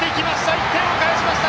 １点を返しました